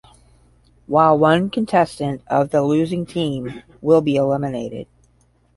While one contestant of the losing team will be eliminated.